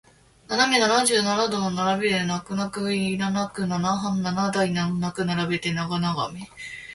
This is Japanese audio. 斜め七十七度の並びで泣く泣くいななくナナハン七台難なく並べて長眺め